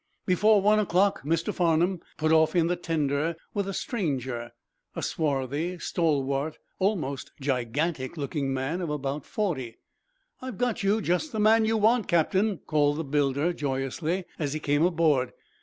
Before one o'clock Mr. Farnum put off in the tender with a stranger, a swarthy, stalwart, almost gigantic looking man of about forty. "I've got you just the man you want, Captain," called the builder, joyously, as he came aboard.